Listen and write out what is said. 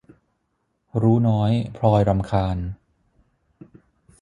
รู้น้อยพลอยรำคาญ